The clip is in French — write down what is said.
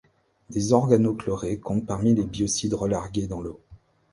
Des organochlorés comptent parmi les biocides relargués dans l'eau.